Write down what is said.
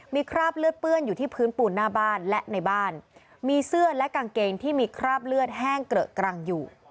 มีคราบเลือดเปื้อนอยู่ที่พื้นปูนหน้าบ้านและในบ้านมีเสื้อและกางเกงที่มีคราบเลือดแห้งเกลอะกรังอยู่